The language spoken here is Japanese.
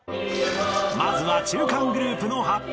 ［まずは中間グループの発表。